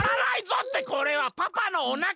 ってこれはパパのおなか！